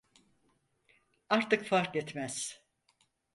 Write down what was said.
Artık fark etmez.